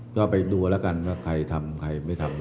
ก็ไปดูแล้วกันว่าใครทำใครไม่ทำ